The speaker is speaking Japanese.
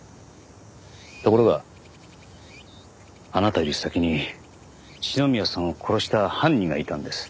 ところがあなたより先に篠宮さんを殺した犯人がいたんです。